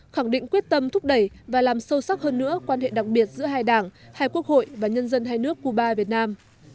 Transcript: khẳng định quyết tâm thúc đẩy và làm sâu sắc hơn nữa quan hệ đặc biệt giữa hai đảng hai quốc hội và nhân dân hai nước cuba việt nam